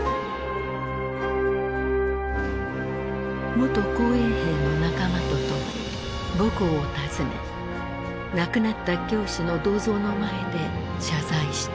元紅衛兵の仲間と共に母校を訪ね亡くなった教師の銅像の前で謝罪した。